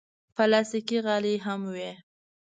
پلاستيکي غالۍ هم وي.